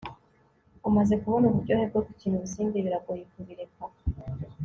umaze kubona uburyohe bwo gukina urusimbi, biragoye kubireka